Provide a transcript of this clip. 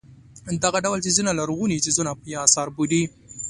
دغه ډول څیزونه لرغوني څیزونه یا اثار بولي.